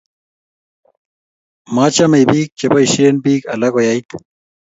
machame biik che boisien biik alak koyait